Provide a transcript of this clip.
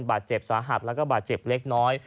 บาดเจ็บสาหัสแล้วก็บาดเจ็บเล็กน้อย